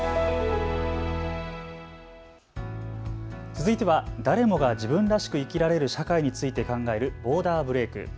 続いては誰もが自分らしく生きられる社会について考えるボーダーブレイク。